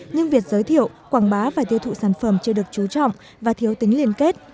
nhưng việc giới thiệu quảng bá và tiêu thụ sản phẩm chưa được chú trọng và thiếu tính liên kết